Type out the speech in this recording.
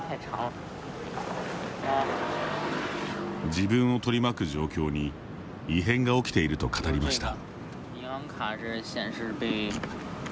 自分を取り巻く状況に異変が起きていると語りました。